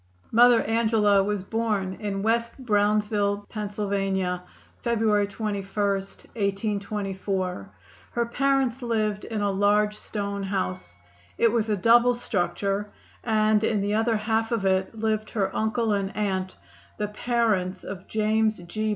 Mother Angela was born in West Brownsville, Pa., February 21, 1824. Her parents lived in a large stone house. It was a double structure, and in the other half of it lived her uncle and aunt, the parents of James G.